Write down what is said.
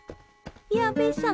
矢部さん